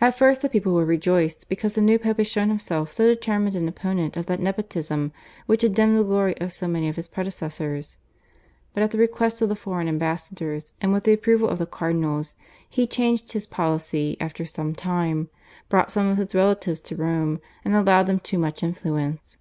At first the people were rejoiced because the new Pope had shown himself so determined an opponent of that nepotism, which had dimmed the glory of so many of his predecessors, but at the request of the foreign ambassadors and with the approval of the cardinals he changed his policy after some time, brought some of his relatives to Rome, and allowed them too much influence.